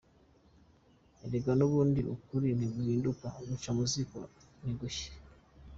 Erega n’ubundi ukuri ntiguhinduka, guca mu ziko ntabwo gushya.